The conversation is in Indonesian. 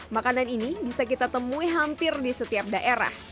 makanan ini bisa kita temui hampir di setiap daerah